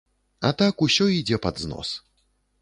А так усё ідзе пад знос.